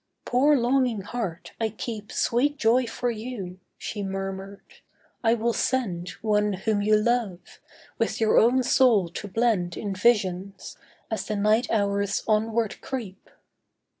'Poor longing heart, I keep Sweet joy for you,' she murmured. 'I will send One whom you love, with your own soul to blend In visions, as the night hours onward creep.